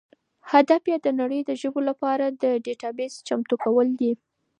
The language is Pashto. هدف یې د نړۍ د ژبو لپاره د ډیټابیس چمتو کول دي.